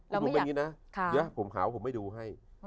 ทำให้ดูแบบนี้เดี๋ยวผมหาผมไม่ดูให้